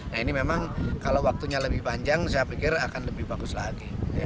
nah ini memang kalau waktunya lebih panjang saya pikir akan lebih bagus lagi